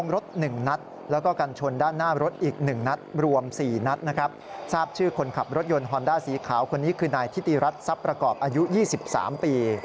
รัฐทรัพย์ประกอบอายุ๒๓ปี